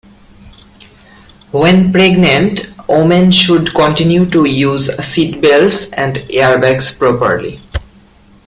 When pregnant, women should continue to use seatbelts and airbags properly.